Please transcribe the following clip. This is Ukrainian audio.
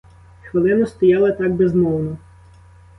Хвилину стояли так безмовно.